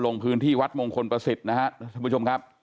ลงพื้นที่วัดมงคลประสิทธิ์นะครับท่านผู้ชมครับ